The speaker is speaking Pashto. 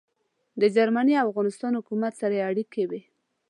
د جرمني او افغانستان حکومت سره يې اړیکې وې.